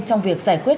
trong việc giải quyết